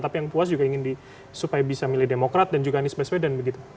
tapi yang puas juga ingin supaya bisa milih demokrat dan juga anies baswedan begitu